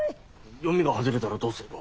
読みが外れたらどうするだ？